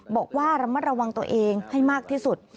บอกว่าระมัดระวังตัวเองให้มากที่สุด